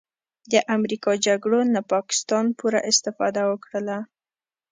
د امریکا جګړو نه پاکستان پوره استفاده وکړله